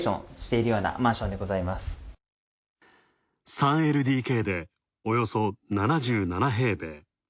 ３ＬＤＫでおよそ７７平米。